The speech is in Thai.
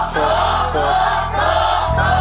ตั้งแต่บอท